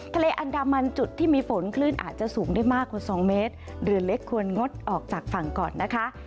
ทะเลอันดามันจุดที่มีฝนคลื่นอาจจะสูงได้มากกว่าสองเมตรเรือเล็กควรงดออกจากฝั่งก่อนนะคะ